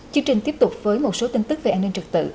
chương trình tiếp tục với một số tin tức về an ninh trật tự